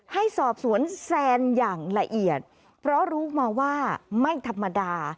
ให้สอบสวนแซนอย่างละเอียดเพราะรู้มาว่าไม่ธรรมดา